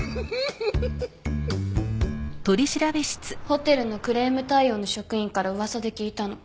ホテルのクレーム対応の職員から噂で聞いたの。